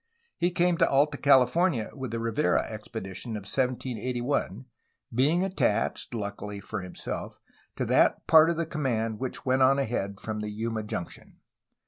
He came to Alta California with the Rivera expedition of 1781,^^being attached, luckily for himself, to that part of the command which went on ahead from the Yuma junction.